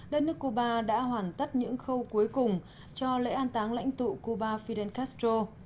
đất nước cuba đã hoàn tất những khâu cuối cùng cho lễ an táng lãnh tụ cuba fidel castro